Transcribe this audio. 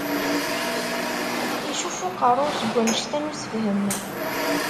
Icuf uqerru-w seg wanect-a n usefhem.